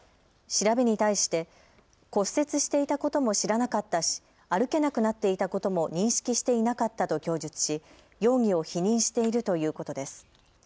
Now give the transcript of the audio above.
調べに対して骨折していたことも知らなかったし歩けなくなっていたことも認識していなかったと供述し容疑を否認しているということです。